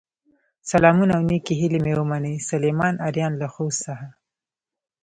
سلامونه او نیکې هیلې مې ومنئ، سليمان آرین له خوست څخه